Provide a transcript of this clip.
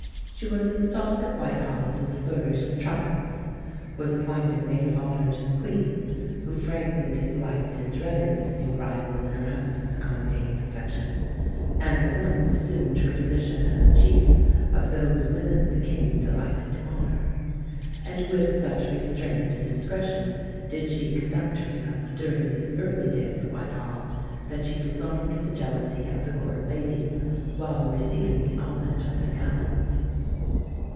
She was installed at Whitehall to the flourish of trumpets; was appointed maid of honour to the Queen, who frankly disliked and dreaded this new rival in her husband's accommodating affection; and at once assumed her position as chief of those women the King delighted to honour. And with such restraint and discretion did she conduct herself during these early days at Whitehall that she disarmed the jealousy of the Court ladies, while receiving the homage of their gallants.